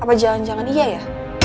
apa jalan jalan iya ya